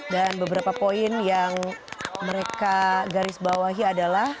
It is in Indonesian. dan beberapa poin yang mereka garisbawahi adalah